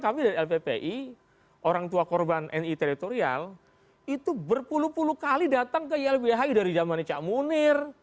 kami dari lppi orang tua korban ni teritorial itu berpuluh puluh kali datang ke ylbhi dari zaman cak munir